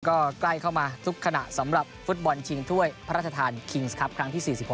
ก็ใกล้เข้ามาทุกขณะสำหรับฟุตบอลชิงถ้วยพระราชทานคิงส์ครับครั้งที่๔๖